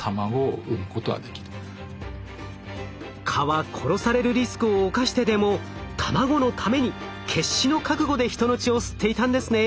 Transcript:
蚊は殺されるリスクを冒してでも卵のために決死の覚悟で人の血を吸っていたんですね。